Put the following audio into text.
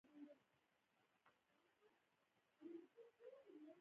دښمنۍ بربادۍ خبرې کولې